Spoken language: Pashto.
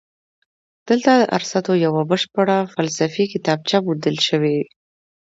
دلته د ارسطو یوه بشپړه فلسفي کتابچه موندل شوې